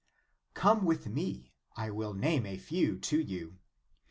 Come with me ; I will name a few to you.